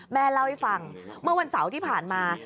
แม่เล่าให้ฟังเมื่อวันเสาร์ที่ผ่านมา